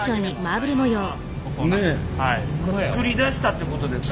作り出したってことですかこれを？